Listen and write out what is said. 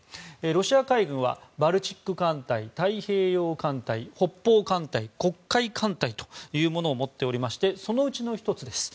ロシア海軍はバルチック艦隊、太平洋艦隊北方艦隊、黒海艦隊というものを持っておりましてそのうちの１つです。